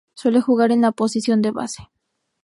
Suele jugar en la posición de base.